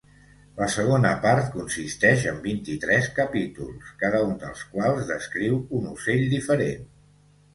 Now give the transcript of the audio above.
La segona part consisteix en vint-i-tres capítols, cada un dels quals descriu un ocell diferent.